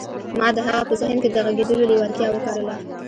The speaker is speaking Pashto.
ما د هغه په ذهن کې د غږېدلو لېوالتیا وکرله